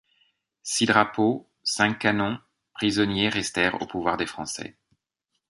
Six drapeaux, cinq canons, prisonniers restèrent au pouvoir des Français.